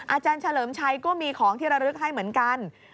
อาจารย์เฉลิมชัยก็มีของที่ระลึกให้เหมือนกัน